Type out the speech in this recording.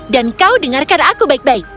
dan kau dengarkan aku baik baik